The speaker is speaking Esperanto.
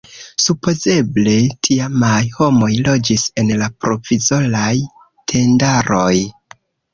Supozeble tiamaj homoj loĝis en la provizoraj tendaroj.